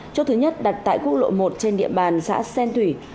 chốt thứ nhất đặt tại quốc lộ một trên địa bàn xã sen thủy